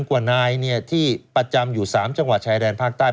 กว่านายที่ประจำอยู่๓จังหวัดชายแดนภาคใต้